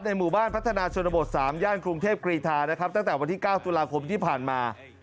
หมู่บ้านพัฒนาชนบท๓ย่านกรุงเทพกรีธานะครับตั้งแต่วันที่๙ตุลาคมที่ผ่านมา